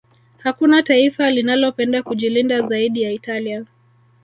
Hakuna taifa linalopenda kujilinda zaidi ya Italia